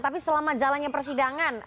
tapi selama jalannya persidangan